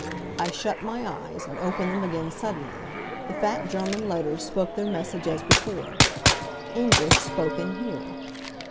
I shut my eyes, and opened them again suddenly. The fat German letters spoke their message as before "English spoken here."